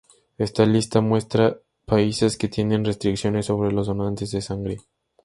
Esta lista muestra países que tienen restricciones sobre los donantes de sangre.